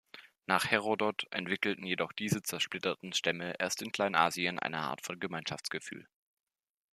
Nach Herodot entwickelten jedoch diese zersplitterten Stämme erst in Kleinasien eine Art von Gemeinschaftsgefühl.